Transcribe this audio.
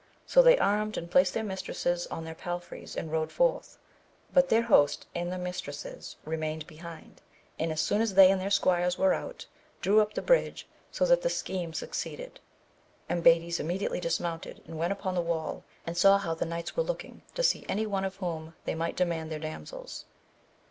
So they armed and placed their mistresses on their palfreys and rode forth, but their host and the mistresses re 234 AMADIS OF GAUL. mained behind, and as soon as they and their squires were out, drew up the bridge, so that the scheme suc ceeded. Ambades immediately dismounted and went upon the wall, and saw how the knights were looking to see any one of whom they might demand their damsels.